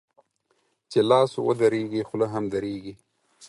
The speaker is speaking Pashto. چي لاس و درېږي ، خوله هم درېږي.